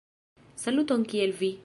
Saluton kiel vi?